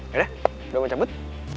yaudah udah mau cabut